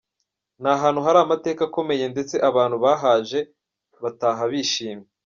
Ni ahantu hari amateka akomeye, ndetse abantu bahaje bataha bishimye.